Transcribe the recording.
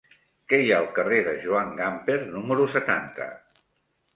Què hi ha al carrer de Joan Gamper número setanta?